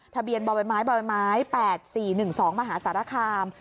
ทะเบียนบม๘๔๑๒มหาศาลคาม